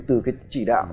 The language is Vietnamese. từ cái chỉ đạo